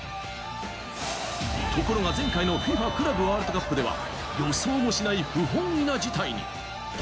ところが前回のＦＩＦＡクラブワールドカップでは、予想もしない不本意な事態に。